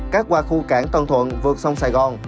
cát qua khu cảng tân thuận vượt sông sài gòn